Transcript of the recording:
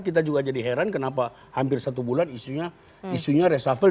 kita juga jadi heran kenapa hampir satu bulan isunya resafel